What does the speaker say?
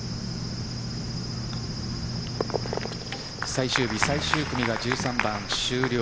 最終日、最終組が１３番終了。